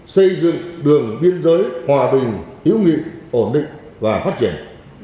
xây dựng đường biên giới hòa bình hữu nghị ổn định và phát triển